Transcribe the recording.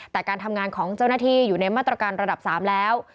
แต่การทำงานของเจ้าหน้าที่อยู่ในมาตรการระดับ๓แล้ว